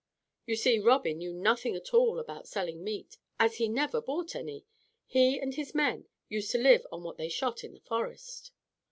You see Robin knew nothing at all about selling meat, as he never bought any. He and his men used to live on what they shot in the forest.